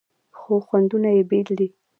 خو خوندونه یې بیل دي.